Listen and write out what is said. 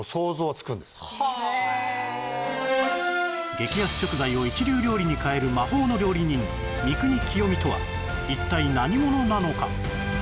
激安食材を一流料理にかえる魔法の料理人三國清三とは一体何者なのか？